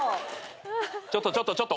ちょっとちょっとちょっと。